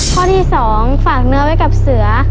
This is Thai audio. ข้อที่๒ฝากเนื้อไว้กับเสือ